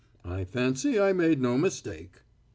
I fancy I make no mistake!